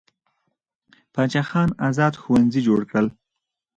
باچا خان ازاد ښوونځي جوړ کړل.